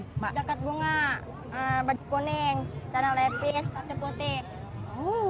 jaket bunga baju kuning celana levis sepatu putih